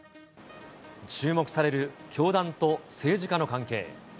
注目される教団と政治家の関係。